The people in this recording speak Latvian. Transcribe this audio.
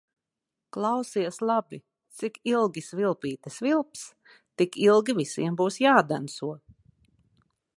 Klausies labi: cik ilgi svilpīte svilps, tik ilgi visiem būs jādanco.